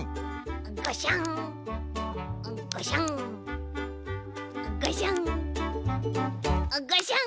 ガシャンガシャンガシャンガシャン。